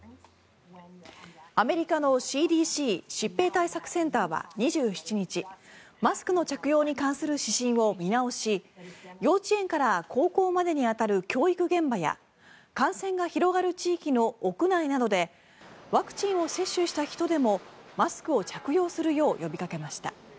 アメリカのＣＤＣ・疾病対策センターは２７日マスクの着用に関する指針を見直し幼稚園から高校までに当たる教育現場や感染が広がる地域の屋内などでワクチンを接種した人でもマスクを着用するよう呼びかけました。